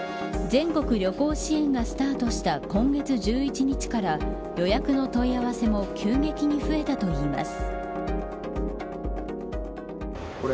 全国旅行支援がスタートした今月１１日から予約の問い合わせも急激に増えたといいます。